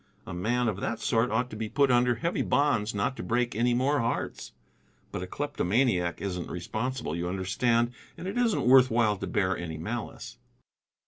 A man of that sort ought to be put under heavy bonds not to break any more hearts. But a kleptomaniac isn't responsible, you understand. And it isn't worth while to bear any malice."